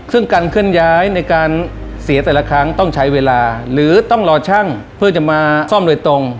ซึ่งการเคลื่อนย้ายในการเสียแต่ละครั้งต้องใช้เวลาหรือต้องรอช่างเพื่อจะมาซ่อมโดยตรง